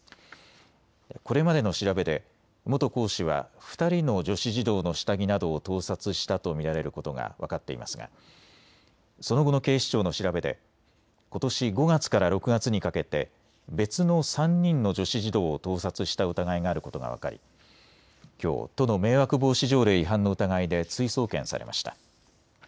これまでの調べで元講師は２人の女子児童の下着などを盗撮したと見られることが分かっていますが、その後の警視庁の調べでことし５月から６月にかけて別の３人の女子児童を盗撮した疑いがあることが分かりきょう都の迷惑防止条例違反の疑いで追送検されました。